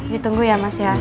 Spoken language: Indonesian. ditunggu ya mas ya